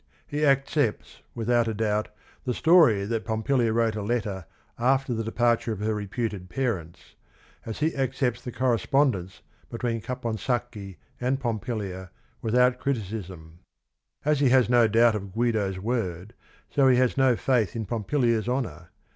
He acce pts without a doubt the story t hat Pompi lia wrote a _fot pr pftor th» rlgpaT Hi rf > f .f her repute d pa rents, as h e accepts the correspondence between Caponsacchi a nd .Pompilia without criticis m. As he has no doubt of Guido's word, so he has no faith in Pompilia's honor.